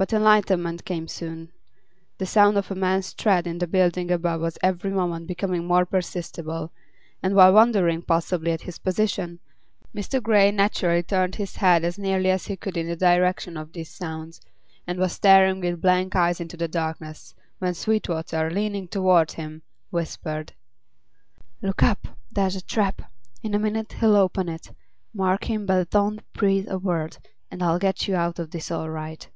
But enlightenment came soon. The sound of a man's tread in the building above was every moment becoming more perceptible, and while wondering, possibly, at his position, Mr. Grey naturally turned his head as nearly as he could in the direction of these sounds, and was staring with blank eyes into the darkness, when Sweetwater, leaning toward him, whispered: "Look up! There's a trap. In a minute he'll open it. Mark him, but don't breathe a word, and I'll get you out of this all right."